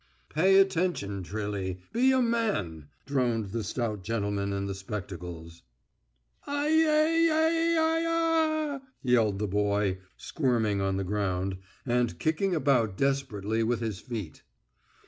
"Pay attention, Trilly. Be a man!" droned the stout gentleman in the spectacles. "Ai yai yai ya a a a!" yelled the boy, squirming on the ground, and kicking about desperately with his feet.